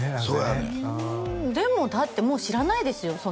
そうやねんでもだってもう知らないですよ